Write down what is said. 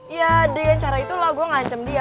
iya dengan cara itu lah gue ngancem dia